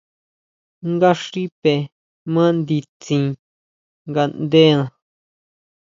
Nga xipe ma nditsin ngaʼndena.